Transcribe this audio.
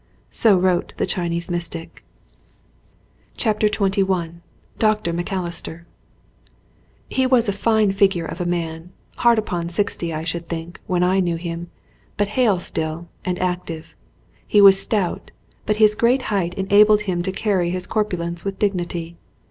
So wrote the Chinese mystic. 79 XXI DR. MACALISTER HE was a fine figure of a man, hard upon sixty, I should think, when I knew him, but hale still and active. He was stout, but his great height enabled him to carry his corpulence with dignity.